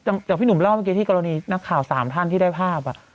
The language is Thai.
อย่างพี่หนุ่มเล่าเมื่อกี้ที่กรณีนักข่าวสามท่านที่ได้ภาพ